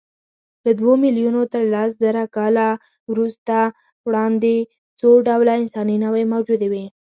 له دوو میلیونو تر لسزره کاله وړاندې څو ډوله انساني نوعې موجودې وې.